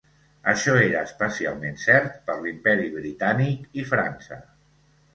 Això era especialment cert per l'Imperi Britànic i França.